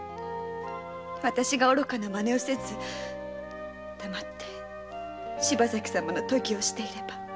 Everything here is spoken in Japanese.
私が愚かなまねをせず黙って柴崎様の伽をしていれば。